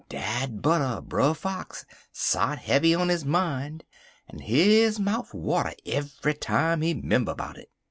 Dat butter er Brer Fox sot heavy on his mine, en his mouf water eve'y time he 'member 'bout it.